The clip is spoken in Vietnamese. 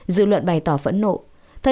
dư luận bày tỏ phẫn nộ